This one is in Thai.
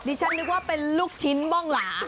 ฉันนึกว่าเป็นลูกชิ้นบ้องหลา